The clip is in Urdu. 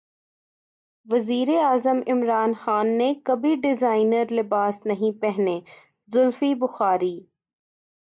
وزیراعظم عمران خان نے کبھی ڈیزائنر لباس نہیں پہنے زلفی بخاری